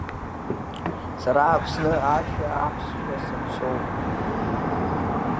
Сара Аԥсны ашәа аԥсшәа санцәоуп.